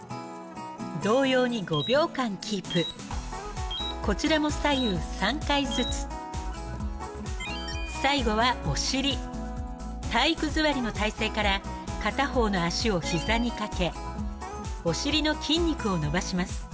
同様に５秒間キープこちらも左右３回ずつ最後はお尻体育座りの体勢から片方の足を膝にかけお尻の筋肉を伸ばします